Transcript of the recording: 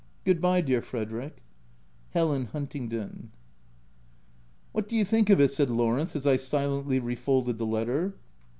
— Good bye, dear Frederick. Helen Huntingdon. OF WILDFELL HALL. 213 " What do you think of it ?" said Lawrence as I silently refolded the letter.